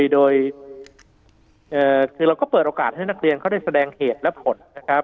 โดยคือเราก็เปิดโอกาสให้นักเรียนเขาได้แสดงเหตุและผลนะครับ